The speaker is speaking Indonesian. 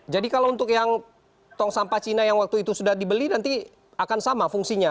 jadi kalau untuk yang tong sampah cina yang waktu itu sudah dibeli nanti akan sama fungsinya